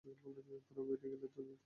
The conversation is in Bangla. তাঁরা বাইরে গেলে তিনি তাঁদের সাথে যেতেন।